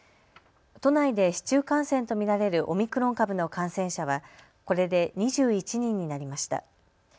都内で市中感染と見られるオミクロン株の感染者はこれで２１人になりました。